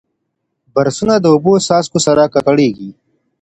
برسونه د اوبو څاڅکو سره ککړېږي.